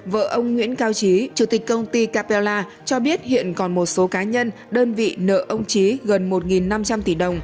vợ ông nguyễn cao trí chủ tịch công ty capella cho biết hiện còn một số cá nhân đơn vị nợ ông trí gần một năm trăm linh tỷ đồng